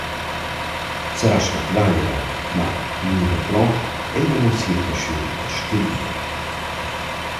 Sarà stat vaira, ma i gniva pro eir amo sia paschiun da scriver.